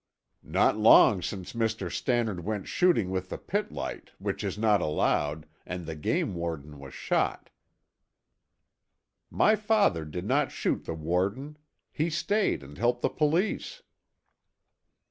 "Not long since Mr. Stannard went shooting with the pit light, which is not allowed, and the game warden was shot." "My father did not shoot the warden; he stayed and helped the police."